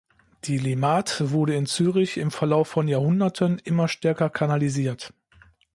Die Limmat wurde in Zürich im Verlauf von Jahrhunderten immer stärker kanalisiert.